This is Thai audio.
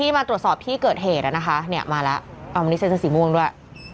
มาตรวจสอบที่เกิดเหตุเอาวันนี้เสียชีวิตอีก